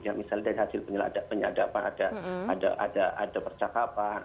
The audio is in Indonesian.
yang misalnya dari hasil penyelidikan ada penyadapan ada percakapan